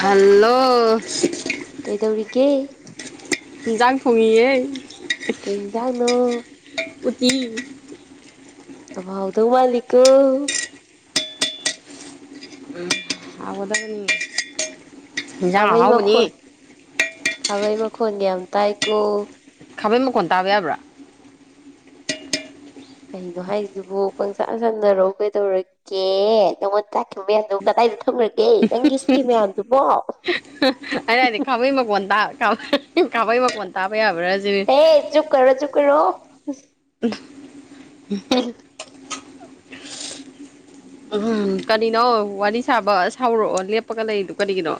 hello ꯀꯩꯗꯧꯔꯤꯒꯦ ꯗꯥꯪ ꯁꯣꯡꯉꯌꯦ ꯀꯦꯟꯖꯥꯡꯅꯣ ꯎꯠꯇ ꯑ ꯍꯥꯎꯗꯣ ꯃꯥꯂꯤꯛ ꯎ ꯑꯗꯅꯤ ꯍꯕꯏ ꯃꯈꯣꯟ ꯍꯕꯏ ꯃꯈꯣꯟꯒ ꯌꯥꯝ ꯇꯥꯏ ꯀꯣ ꯈꯥꯕꯩ ꯃꯈꯣꯟ ꯇꯥꯕ ꯌꯥꯕ꯭ꯔꯥ ꯀꯩꯅꯣ ꯍꯥꯏꯁꯤꯕꯨ ꯀꯪꯁꯥꯟ ꯁꯝꯅꯔꯎ ꯀꯩꯗꯧꯔꯒ ꯑꯣꯀꯦ ꯅꯪꯉꯣꯟ ꯆꯥꯛꯈꯤꯕ ꯃꯌꯥꯝꯗꯣ ꯀꯗꯥꯏꯗ ꯊꯝꯈ꯭ꯔꯒꯦ ꯅꯪꯒꯤ ꯁꯤꯀꯤ ꯃꯌꯥꯝꯗꯨꯕꯣ ꯑꯗꯨ ꯍꯥꯏꯗꯤ ꯈꯥꯃꯩ ꯃꯀꯣꯟ ꯈꯥꯃꯩ ꯃꯀꯣꯟ ꯇꯥꯕ ꯌꯥꯕ꯭ꯔꯥ ꯁꯤꯅꯤ ꯑꯦ ꯆꯨꯞꯀ꯭ꯔꯣ ꯆꯨꯞꯀꯣ [unintelligible] ꯎꯝꯝ ꯀꯔꯤꯅꯣ ꯋꯥꯔꯤ ꯁꯥꯕ ꯁꯥꯎꯔꯛꯑꯣ ꯂꯦꯞꯄꯒ ꯂꯩꯗꯨ ꯀꯔꯤꯒꯤꯅꯣ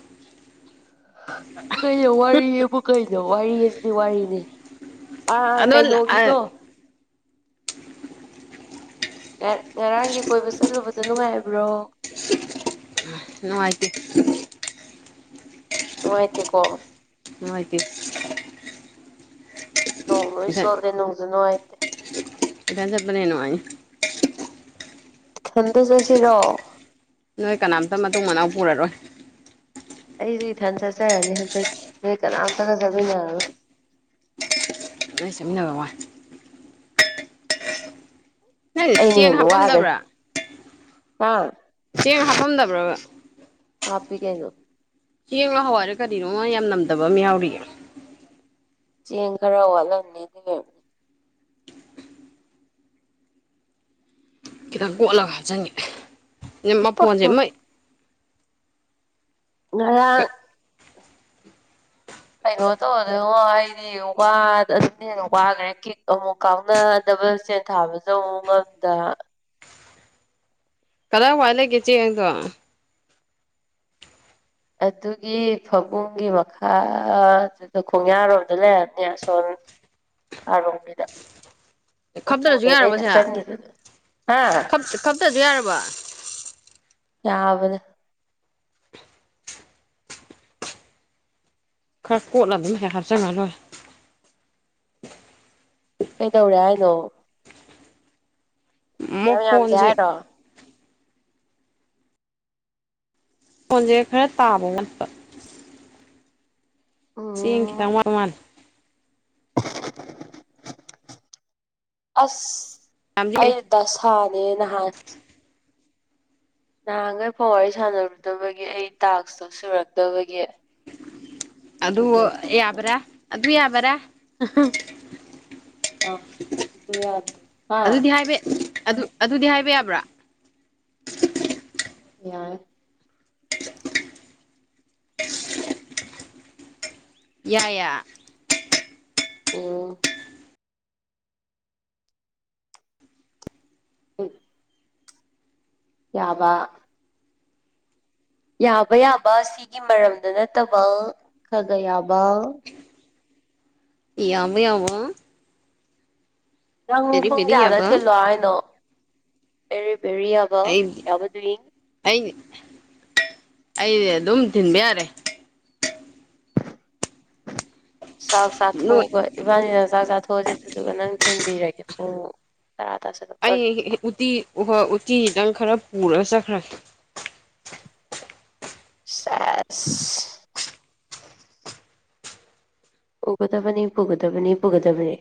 ꯀꯩꯅꯣ ꯋꯥꯔꯤꯌꯦꯕꯨ ꯀꯩꯅꯣ ꯋꯥꯔꯤꯁꯤꯗꯤ ꯋꯥꯔꯤꯅꯤ ꯑ ꯀꯩ ꯑꯗꯣ ꯅꯒꯗꯨꯣ ꯉꯔꯥꯡꯒꯤ ꯀꯣꯏꯕ ꯆꯠꯂꯨꯕꯗꯣ ꯅꯨꯡꯉꯥꯏꯕ꯭ꯔꯣ ꯥꯏꯒꯤ ꯅꯨꯡꯉꯥꯏꯇꯦꯀꯣ ꯦ ꯅꯣꯡ ꯂꯣꯏ ꯏꯊꯟ ꯁꯣꯠꯂꯦ ꯅꯣꯡꯁꯨ ꯅꯨꯡꯉꯥꯏ ꯏ ꯆꯕꯅꯅꯨꯡꯉ ꯈꯟꯗ ꯆꯠꯁꯤꯔꯣ ꯅꯣꯏ ꯀꯅꯥꯝꯇ ꯃꯇꯨꯡ ꯃꯅꯥꯎ ꯄꯨꯔꯔꯣꯏ ꯑꯩꯗꯤ ꯏꯊꯟ ꯆꯠꯆꯔꯅꯤ ꯍꯟꯗꯛꯇꯤ ꯅꯣꯏ ꯀꯅꯥꯝꯇꯒ ꯆꯠꯃꯤꯟꯅꯔꯔꯣꯏ ꯂꯣꯏ ꯆꯠꯃꯤꯟꯅꯕ ꯋꯥꯏ ꯅꯪꯖꯦ ꯑꯩꯅ ꯆꯦꯡ ꯍꯦꯟꯅ ꯋꯥꯈ꯭ꯔꯦ ꯍꯥꯞꯄꯝꯗꯕ꯭ꯔꯥ ꯍꯥ ꯆꯦꯡ ꯍꯥꯄꯝꯗꯕ꯭ꯔꯥ ꯍꯥꯄꯤ ꯀꯩꯅꯣ ꯆꯦꯡꯂꯥ ꯍꯋꯥꯏꯔ ꯀꯔꯤꯅꯣ ꯌꯥꯝ ꯅꯝꯗꯕ ꯑꯃ ꯌꯥꯎꯔꯤꯌꯦ ꯆꯦꯡ ꯈꯔ ꯋꯥꯠꯂꯝꯅꯤ ꯑꯗꯨ ꯈꯤꯇꯪ ꯀꯣꯠꯂꯒ ꯍꯥꯞꯆꯤꯟꯉꯦ ꯃꯐꯣꯟꯁꯦ ꯃꯩ ꯃ ꯑꯣ ꯇꯣꯗꯣ ꯋꯥ ꯑꯁꯨꯝꯅ ꯍꯦꯟꯅ ꯋꯥꯈ꯭ꯔꯦ ꯀꯤꯛ ꯑꯃꯨꯛ ꯀꯥꯎꯅꯗꯕ ꯆꯦꯟ ꯊꯥꯕꯁꯨ ꯑꯃꯨ ꯉꯝꯗ ꯀꯗꯥꯔ ꯋꯥꯏꯠ ꯂꯩꯒꯦ ꯆꯦꯡꯗꯣ ꯑꯗꯨꯒꯤ ꯐꯕꯨꯡꯒꯤ ꯃꯈꯥ ꯑꯗꯨꯗ ꯈꯣꯡꯌꯥꯔꯣꯝꯗ ꯂꯩꯔꯅꯦ ꯁꯣꯝ ꯑꯔꯣꯕꯤꯗ ꯎ ꯈꯞꯇꯔꯁꯨ ꯂꯩꯕꯩꯅ ꯌꯥꯔꯕꯁꯦ ꯀꯪ ꯍꯥ ꯈꯞꯇꯖꯨ ꯌꯥꯔꯕ ꯌꯥꯕꯗ ꯈꯔ ꯀꯣꯠꯂ ꯑꯗꯨꯝ ꯍꯥꯛ ꯍꯥꯞꯆꯜꯒ ꯂꯣꯏꯔꯦ ꯑꯩꯩꯗꯧꯔꯦ ꯍꯥꯏꯅꯣ ꯌꯥꯝ ꯌꯥꯝꯗꯦ ꯃꯐꯣꯟꯁꯦ ꯐꯣꯟꯁꯦ ꯍꯥꯏꯔꯣ ꯐꯣꯟꯖꯦ ꯈꯔ ꯇꯥꯕ ꯋꯥꯠꯄ ꯆꯦꯡ ꯎꯝ ꯈꯤꯇꯪ ꯋꯥ ꯃꯥꯜꯂ ꯑꯁ ꯌꯥꯝꯁꯤꯅꯦ ꯑꯩ ꯗꯁꯥꯅꯦ ꯅꯍꯥꯟ ꯅꯍꯥꯟꯒꯩ ꯐꯥꯎ ꯋꯥꯔꯤ ꯁꯥꯟꯅꯔꯨꯗꯕꯒꯤ ꯑꯩ ꯇꯥꯛꯁꯇꯣ ꯁꯨꯔꯛꯇꯕꯒꯤ ꯑꯗꯨ ꯌꯥꯕ꯭ꯔꯥ ꯑꯗꯨ ꯌꯥꯕꯔꯥ ꯑꯗꯨ ꯌꯥꯗꯦ ꯍꯥ ꯑꯗꯨꯗꯤ ꯍꯥꯏꯕ ꯑꯗꯨ ꯑꯗꯨꯗꯤ ꯍꯥꯏꯕ ꯌꯥꯕ꯭ꯔꯥ ꯌꯥꯏ ꯌꯥꯏ ꯌꯦ ꯑꯣ ꯎꯝ ꯌꯥꯕ ꯌꯥꯕ ꯌꯥꯕ ꯁꯤꯒꯤ ꯃꯔꯝꯗ ꯅꯠꯇꯕ ꯈꯒ ꯌꯥꯕ ꯌꯥꯃ ꯌꯥꯃ ꯅꯪ ꯄꯨꯡ ꯄꯦꯔꯤ ꯀꯌꯥꯗ ꯌꯥꯕ ꯊꯤꯜꯂꯣ ꯍꯥꯏꯅꯣ ꯕꯦꯔꯤ ꯕꯦꯔꯤ ꯑꯕ ꯑꯩ ꯌꯥꯎꯕ ꯗꯨ꯭ꯢꯡ ꯑꯩ ꯑꯩꯗꯤ ꯑꯗꯨꯝ ꯊꯤꯟꯕ ꯌꯥꯔꯦ ꯆꯥꯛ ꯅꯣꯏ ꯆꯊꯣꯛꯑꯒ ꯏꯕꯥꯅꯤꯅ ꯆꯥꯛ ꯆꯥꯊꯣꯛꯑꯁꯤ ꯑꯗꯨꯒ ꯅꯪ ꯊꯤꯟꯕꯤꯔꯒꯦ ꯀꯣ ꯇꯔꯥ ꯇꯥꯁꯤꯜꯂꯛ ꯑꯩ ꯎꯇꯤ ꯎꯇꯤ ꯗꯪ ꯈꯔ ꯄꯨꯔꯒ ꯆꯠꯈ꯭ꯔꯒꯦ ꯁꯦꯁ ꯄꯨꯒꯗꯕꯅꯤ ꯄꯨꯒꯗꯕꯅꯤ ꯄꯨꯒꯗꯕꯅꯤ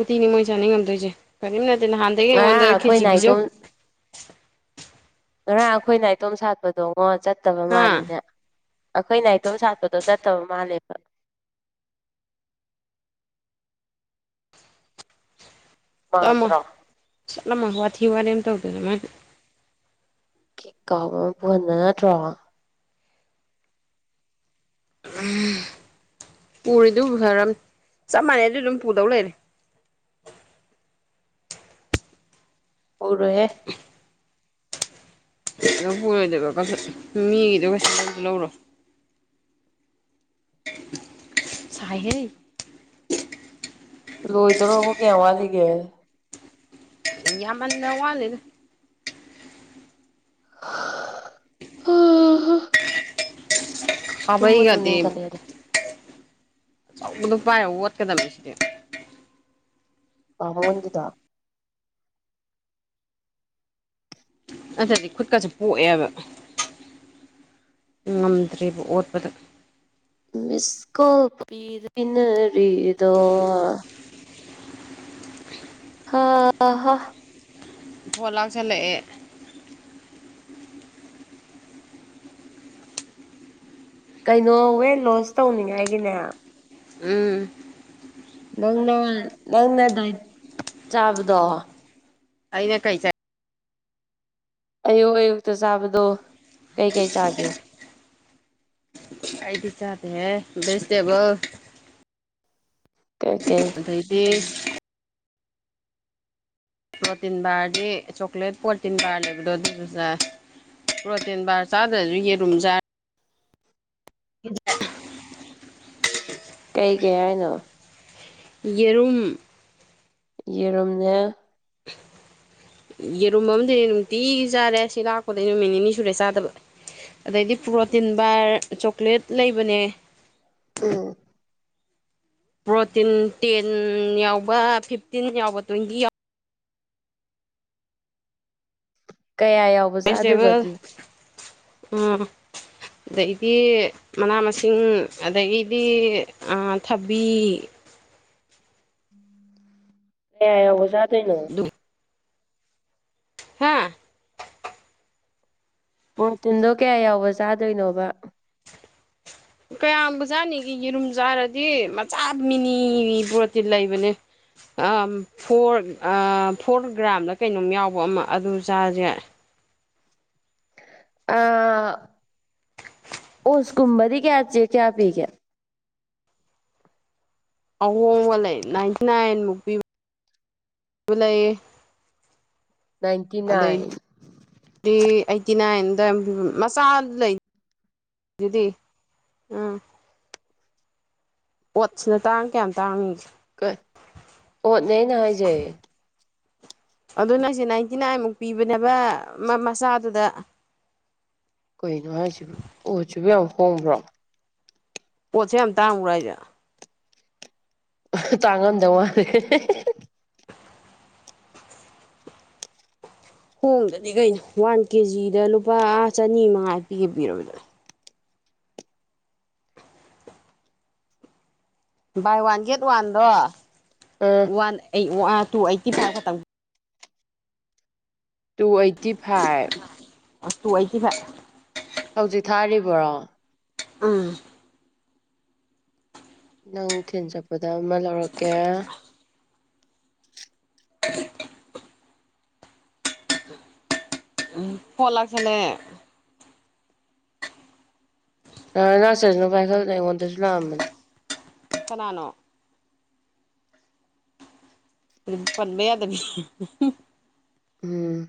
ꯎꯇꯤꯅꯤ ꯃꯣꯏ ꯆꯥꯅꯤꯡ ꯉꯝꯗꯣꯏꯁꯦ ꯀꯔꯤꯝ ꯅꯠꯇꯦ ꯅꯍꯥꯟꯗꯒꯤ ꯉꯔꯥꯡ ꯑꯩꯉꯣꯟꯗ ꯑꯩꯈꯣꯏ ꯈꯦꯆꯤ ꯄꯤꯖꯧ ꯅꯥꯏꯇꯣꯝ ꯉꯔꯥꯡ ꯑꯩꯈꯣꯏ ꯅꯥꯏꯇꯣꯝ ꯁꯥꯠꯄꯗꯣꯉꯣ ꯆꯠꯇꯕ ꯍꯥ ꯃꯥꯜꯂꯤꯅꯦ ꯑꯈꯣꯏ ꯅꯥꯏꯇꯣꯝ ꯁꯥꯠꯄꯗꯣ ꯆꯠꯇꯕ ꯃꯥꯜꯂꯦꯕ ꯃꯥꯟꯗ꯭ꯔꯣ ꯆꯠꯂꯝ ꯃꯣꯢ ꯋꯥꯊꯤ ꯋꯥꯔꯦꯝ ꯇꯧꯗꯅ ꯃꯣꯏꯅꯦ ꯀꯥꯎꯕ ꯑꯃ ꯄꯨꯍꯟꯗ ꯅꯠꯇ꯭ꯔꯣ ꯄꯨꯔꯤꯗꯨ ꯐꯔꯝ ꯆꯞ ꯃꯥꯟꯅꯩ ꯑꯗꯨ ꯑꯗꯨꯝ ꯄꯨꯗꯧ ꯂꯩꯔꯦ ꯄꯨꯔꯣꯏꯍꯦ ꯀꯩꯗꯧ ꯄꯨꯔꯣꯏꯗꯕ ꯃꯤꯒꯤꯗꯣ ꯀꯩꯁ ꯂꯧꯔꯣ ꯆꯥꯏꯍꯦ ꯂꯣꯏꯗꯣꯔꯕ ꯀꯌꯥꯝ ꯋꯥꯠꯂꯤꯒꯦ ꯏ ꯌꯥꯝ ꯃꯅ ꯋꯥ ꯂꯩ ꯎꯝ ꯀꯥꯕꯩꯒꯗꯤ ꯇꯨꯝꯅꯤꯡꯈꯠꯂꯛꯑꯦꯗ ꯑꯆꯧꯕꯗꯨ ꯄꯥꯏꯍꯧ ꯑꯣꯠꯀꯗꯕꯅꯤ ꯁꯤꯗꯤ ꯑꯟꯒꯤꯗ ꯑꯗꯨꯗꯗꯤ ꯈꯨꯠꯀꯁꯨ ꯄꯣꯛꯑꯦꯕ ꯉꯝꯗ꯭ꯔꯤꯕꯔꯤꯕ ꯑꯣꯠꯄꯗ ꯃꯤꯁꯀꯣꯅꯔꯤꯗ ꯑ ꯍ ꯄꯣꯠ ꯂꯥꯛꯁꯜꯂꯛꯑꯦ ꯀꯩꯅꯣ ꯋꯦꯠ ꯂꯣꯟꯁ ꯇꯧꯅꯤꯡꯉꯥꯏꯒꯤꯅꯦ ꯎꯝ ꯅꯪꯅ ꯅꯪꯅ ꯗꯥꯏ ꯆꯥꯕꯗꯣ ꯑꯩꯅ ꯀꯩ ꯆꯥꯢ ꯑꯌꯨꯛ ꯑꯌꯨꯛꯇ ꯆꯥꯕꯗꯣ ꯀꯩꯀꯩ ꯆꯥꯒꯦ ꯑꯩꯗꯤ ꯆꯥꯗꯦꯍꯦ ꯚꯦꯖꯤꯇꯦꯕꯜ ꯀ ꯀꯩ ꯑꯗꯩꯗꯤ ꯄ꯭ꯔꯣꯔꯇꯤꯟ ꯕꯥꯔꯗꯤ ꯆꯣꯀ꯭ꯂꯦꯠ ꯄ꯭ꯔꯣꯔꯇꯤꯟ ꯕꯥꯔ ꯂꯩꯕꯗꯣ ꯑꯗꯨꯗꯨꯖꯥ ꯄ꯭ꯔꯣꯇꯦꯟ ꯕꯥꯔ ꯆꯥꯗ꯭ꯔꯁꯨ ꯌꯦꯔꯨꯝ ꯆꯥꯔ [inaudible] ꯀꯩ ꯀꯩ ꯍꯥꯏꯅꯣ ꯌꯦꯔꯨꯝ ꯌꯦꯔꯨꯝꯅꯦ [inaudible] ꯌꯦꯔꯨꯝ ꯑꯃꯗꯤꯗꯤ ꯅꯨꯡꯇꯤꯒꯤ ꯆꯥꯔꯦ ꯁꯤ ꯂꯥꯛꯄꯗꯒꯤꯩ ꯅꯨꯃꯤꯠ ꯅꯤꯅꯤ ꯁꯨꯔꯦ ꯆꯥꯗꯕ ꯑꯗꯩꯗꯤ ꯄ꯭ꯔꯣꯇꯤꯟ ꯕꯥꯔ ꯆꯣꯀ꯭ꯂꯦꯠ ꯂꯩꯕꯅꯦ ꯎꯝ ꯄ꯭ꯔꯣꯇꯤꯟ ꯇꯦꯟ ꯌꯥꯎꯕ ꯐꯤꯐꯇꯤꯟ ꯌꯥꯎꯕ ꯇ꯭ꯋꯦꯟꯇꯤ ꯌꯥꯎ ꯀꯌꯥ ꯆꯥꯗꯣꯏꯕ ꯚꯦꯖꯤꯇꯦꯕꯜ ꯑꯗꯨ ꯎꯝ ꯑꯗꯩꯗꯤ ꯃꯅꯥ ꯃꯁꯤꯡ ꯑꯗꯒꯤꯗꯤ ꯊꯕꯤ ꯗꯦꯌꯥꯌꯥꯕꯗ ꯅꯪ ꯍꯥꯥ ꯃꯣꯇꯤꯟꯗꯣ ꯀꯌꯥ ꯌꯥꯎꯕ ꯆꯥꯗꯣꯏꯅꯣꯕ ꯀꯌꯥꯝꯕꯖꯥꯠꯅꯤꯒ ꯌꯦꯔꯨꯝ ꯆꯥꯔꯗꯤ ꯃꯆꯥ ꯃꯤꯅꯤ ꯕꯣꯠꯇꯤ ꯂꯩꯕꯅꯦ ꯐꯣꯔ ꯐꯣꯔ ꯒ꯭ꯔꯥꯝꯗ ꯀꯩꯅꯣꯝ ꯌꯥꯎꯕ ꯑꯃ ꯑꯗꯨ ꯆꯥꯁꯦ ꯑ ꯑꯣꯁꯀꯨꯝꯕꯗꯤ ꯀꯌꯥ ꯆꯦ ꯀꯌꯥ ꯄꯤꯒꯦ ꯑꯍꯣꯡꯕ ꯂꯩ ꯅꯥꯏꯟꯇꯤ ꯅꯥꯏꯟꯃꯨꯛ ꯄꯤꯕ ꯄꯤꯕ ꯂꯩ ꯅꯥꯏꯟꯇꯤ ꯅꯥꯏꯟ ꯑꯩꯠꯇꯤ ꯅꯥꯏꯟꯗ ꯃꯆꯥ ꯂꯩ ꯤꯗꯤ ꯎꯝ ꯄꯣꯠꯁꯤꯅ ꯇꯥꯡ ꯀꯌꯥꯝ ꯇꯥꯡꯉꯒꯦ ꯀ ꯑꯣꯅꯦꯅ ꯍꯥꯏꯖꯦ ꯑꯗꯨ ꯅꯪꯁꯦ ꯅꯥꯏꯟꯇꯤ ꯅꯥꯏꯟꯃꯨꯛ ꯄꯤꯕꯅꯦꯕ ꯃꯆꯥꯗꯨꯗ ꯀꯩꯅꯣ ꯍꯥꯏꯁꯤꯕ ꯑꯣꯠꯁꯨꯕꯨ ꯌꯥꯝ ꯍꯣꯡꯕ꯭ꯔꯣ ꯄꯣꯠꯁꯦ ꯌꯥꯝ ꯇꯥꯡꯉ꯭ꯔꯥ ꯍꯥꯏꯁꯦ ꯇꯥꯡꯉꯝꯗꯧ ꯃꯥꯜꯂꯦ ꯍꯣꯡꯗꯗꯤ ꯀꯩꯅꯣ ꯋꯥꯟ ꯀꯦꯖꯤꯗ ꯂꯨꯄꯥ ꯆꯅꯤ ꯃꯉꯥ ꯄꯤꯒꯦ ꯄꯤꯔꯗꯅꯦ ꯕꯥꯏ ꯋꯥꯟ ꯒꯦꯠ ꯋꯥꯟꯗꯣ ꯑꯥ ꯋꯥꯟ ꯑꯩ ꯇꯨ ꯑꯩꯠꯇꯤ ꯐꯥꯏ ꯈꯛꯇꯪ ꯇꯨ ꯑꯩꯠꯇꯤ ꯐꯥꯏꯚ ꯇꯨ ꯑꯏꯇꯦ ꯗꯤꯚꯦ ꯍꯧꯖꯤꯛ ꯊꯥꯔꯤꯕ꯭ꯔꯣ ꯎꯝ ꯅꯪ ꯊꯤꯟ ꯆꯠꯄꯗ ꯑꯃ ꯂꯧꯔꯛꯀꯦ ꯐꯣꯟ ꯂꯛꯁꯤꯜꯂꯦ ꯑ ꯂꯥꯛꯆꯁꯤꯅꯨ ꯄꯥꯏꯈꯠꯂꯅꯦ ꯑꯩꯉꯣꯟꯗꯁꯨ ꯂꯥꯛꯑꯝꯕꯅꯤ ꯀꯅꯥꯅꯣ ꯄꯟꯕ ꯌꯥ ꯑꯗꯨꯕꯤ ꯎꯝ